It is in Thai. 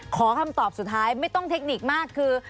ขอคำตอบสุดท้ายไม่ต้องเทคนิคมากคือ